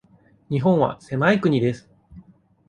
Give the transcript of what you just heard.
日本は狭い国です。